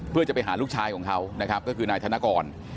เพื่อจะไปหาลูกชายของเขานะครับก็คือนายธนกร